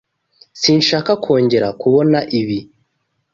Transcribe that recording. Sinshaka kongera kubona ibi.